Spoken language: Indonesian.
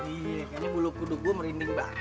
iya kayaknya bulu kuduk gue merinding banget